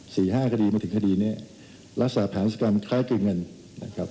สี่ห้าคดีมาถึงคดีเนี้ยรักษาแผนศึกรรมคล้ายกันกันนะครับ